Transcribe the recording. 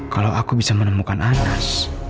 kalau aku bisa menemukan anas